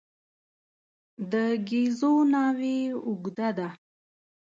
د ګېزو ناوې اوږده ده.